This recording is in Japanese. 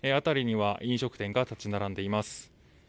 辺りには飲食店が立ち並んでいます。